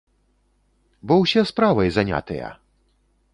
Бо ўсе справай занятыя!